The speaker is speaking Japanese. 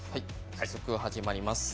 早速、始まります。